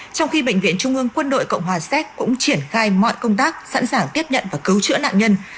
trong khi bệnh viện trung ương quân đội cộng hòa séc cũng triển khai mọi công tác sẵn sàng tiếp nhận và cứu chữa nạn nhân